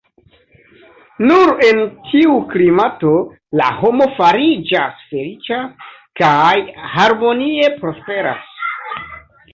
Nur en tiu klimato la homo fariĝas feliĉa kaj harmonie prosperas.